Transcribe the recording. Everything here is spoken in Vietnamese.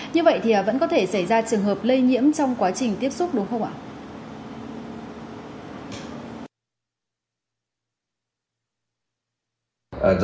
như vậy thì vẫn có thể xảy ra trường hợp lây nhiễm trong quá trình tiếp xúc đúng không ạ